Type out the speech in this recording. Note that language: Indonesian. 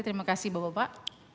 terima kasih bapak bapak